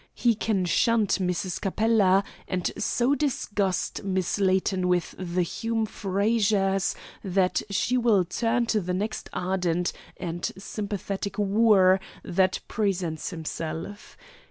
He can shunt Mrs. Capella, and so disgust Miss Layton with the Hume Frazers that she will turn to the next ardent and sympathetic wooer that presents himself.